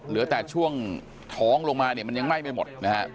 เหลือแต่ช่วงท้องลงมามันยังไหม้ไม่หมด